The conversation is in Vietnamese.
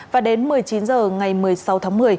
và đến một mươi chín h ngày một mươi sáu tháng một mươi